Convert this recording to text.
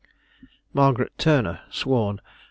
Margaret Turner sworn.